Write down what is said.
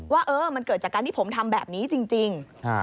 ว่ามันเกิดจากการที่ผมทำแบบนี้จริง